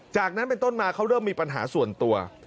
จากนั้นเป็นต้นมาเขาเริ่มมีปัญหาส่วนตัว